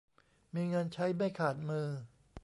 มีเงินใช้ไม่ขาดมือ